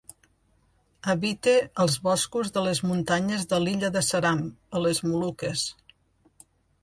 Habita els boscos de les muntanyes de l'illa de Seram, a les Moluques.